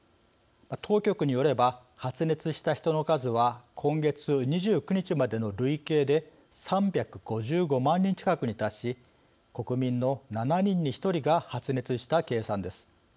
当局によれば、発熱した人の数は今月２９日までの累計で３５５万人近くに達し国民の７人に１人が発熱した計算です。